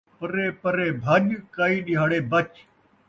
پرے پرے بھڄ، کئی ݙیہاڑے بچ